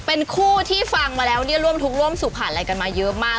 เป็นคู่ที่ฟังมาแล้วเนี่ยร่วมทุกข์ร่วมสู่ผ่านอะไรกันมาเยอะมาก